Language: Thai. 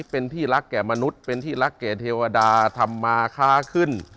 เป็นที่รักแก่มนุษย์เป็นที่รักแก่เทวดาทำมาค้าขึ้น